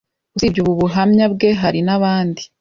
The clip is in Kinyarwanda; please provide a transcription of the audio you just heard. Usibye ubu buhamya bwe hari nabandi